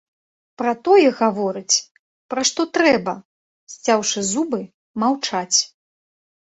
Пра тое гаворыць, пра што трэба, сцяўшы зубы, маўчаць.